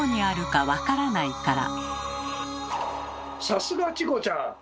さすがチコちゃん。